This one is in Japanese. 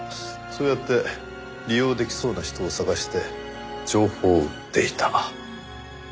そうやって利用できそうな人を探して情報を売っていた。